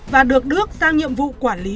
và được đức sang nhiệm vụ quản lý